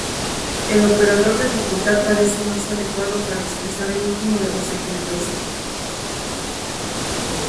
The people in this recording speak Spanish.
El operador de facultad parece más adecuado para expresar el último de los ejemplos.